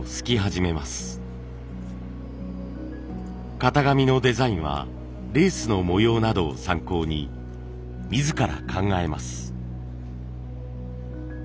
型紙のデザインはレースの模様などを参考に自ら考えます。